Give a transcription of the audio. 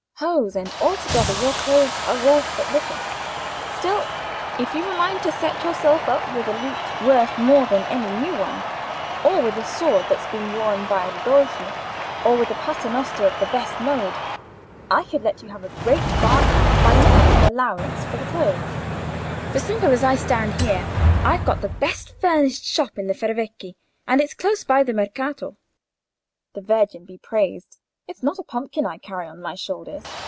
"Hose and altogether, your clothes are worth but little. Still, if you've a mind to set yourself up with a lute worth more than any new one, or with a sword that's been worn by a Ridolfi, or with a paternoster of the best mode, I could let you have a great bargain, by making an allowance for the clothes; for, simple as I stand here, I've got the best furnished shop in the Ferravecchi, and it's close by the Mercato. The Virgin be praised! it's not a pumpkin I carry on my shoulders.